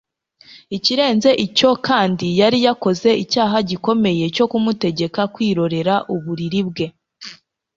ikirenze icyo kandi ngo yari yakoze icyaha gikomeye cyo kumutegeka kwikorera uburiri bwe.